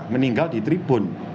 meninggal di tribun